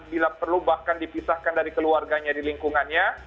bila perlu bahkan dipisahkan dari keluarganya di lingkungannya